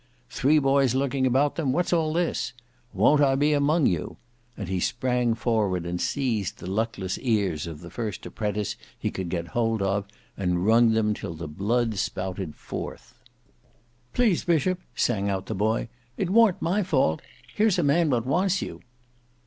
Three boys looking about them; what's all this? Won't I be among you?" and he sprang forward and seized the luckless ears of the first apprentice he could get hold off, and wrung them till the blood spouted forth. "Please, bishop," sang out the boy, "it worn't my fault. Here's a man what wants you."